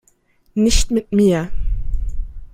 Nicht mit mir!